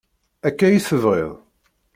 Akka i tebɣiḍ?